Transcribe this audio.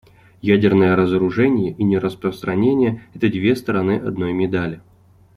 Ядерное разоружение и нераспространение — это две стороны одной медали.